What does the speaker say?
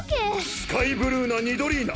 スカイブルーなニドリーナ。